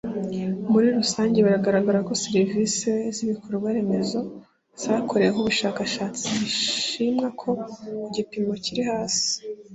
Muri rusange biragaragara ko serivisi z ibikorwaremezo zakoreweho ubushakashatsi zishimwa ku gipimo kiri hasi